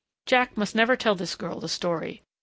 Jack must never tell this girl the story.